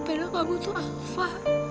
padahal kamu tuh alva